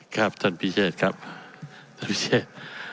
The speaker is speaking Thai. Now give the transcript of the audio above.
ครับท่านพิเชษครับท่านพิเชษ